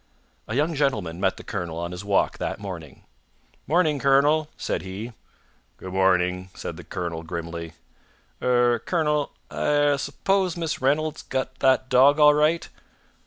A young gentleman met the colonel on his walk that morning. "Morning, colonel!" said he. "Good morning!" said the colonel grimly. "Er colonel, I er suppose Miss Reynolds got that dog all right?"